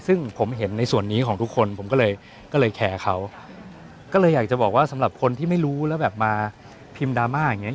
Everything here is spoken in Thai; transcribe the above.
ซึ่งผมเห็นในส่วนนี้ของทุกคนผมก็เลยก็เลยแคร์เขาก็เลยอยากจะบอกว่าสำหรับคนที่ไม่รู้แล้วแบบมาพิมพ์ดราม่าอย่างเงี้